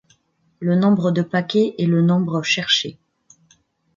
Le nombre de paquets est le nombre cherché.